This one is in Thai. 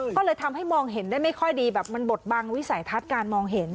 ก็เลยทำให้มองเห็นได้ไม่ค่อยดีแบบมันบดบังวิสัยทัศน์การมองเห็น